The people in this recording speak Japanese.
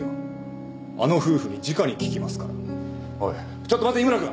おいちょっと待て井村君。